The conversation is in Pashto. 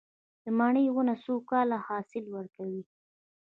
د مڼې ونه څو کاله حاصل ورکوي؟